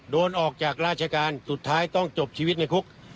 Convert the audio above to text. โดนออกจากราชการสุดท้ายต้องจบชีวิตในคุก